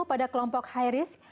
pada kelompok high risk